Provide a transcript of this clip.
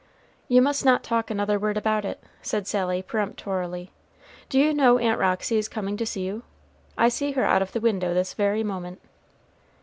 "You must not talk another word about it," said Sally, peremptorily, "Do you know Aunt Roxy is coming to see you? I see her out of the window this very moment."